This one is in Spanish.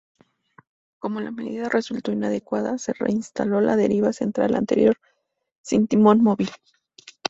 Como la medida resultó inadecuada, se reinstaló la deriva central anterior, sin timón móvil.